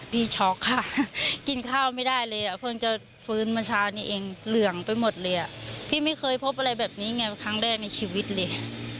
พี่ไม่เคยพบอะไรแบบนี้ไงครั้งแรกในชีวิตเลย